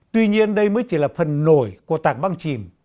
tuy nhiên đây mới chỉ là phần nổi của tạc băng chìm